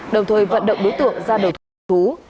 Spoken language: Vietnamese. đồng thời vận động đối tượng ra đầu thú